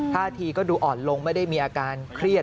ท่าทีก็ดูอ่อนลงไม่ได้มีอาการเครียด